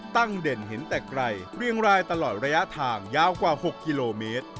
เด่นเห็นแต่ไกลเรียงรายตลอดระยะทางยาวกว่า๖กิโลเมตร